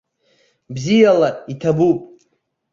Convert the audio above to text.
Бзиала, иҭабуп.